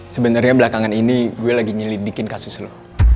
sebenernya belakangan ini gue lagi nyelidikin kasus lo